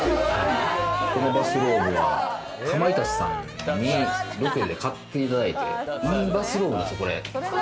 このバスローブはかまいたちさんにロケで買っていただいて、いいバスローブなんですよ。